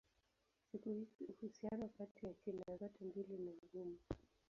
Siku hizi uhusiano kati ya China zote mbili ni mgumu.